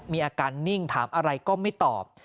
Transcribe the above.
มีอาการนิ่งถามอะไรก็ไม่ตอบ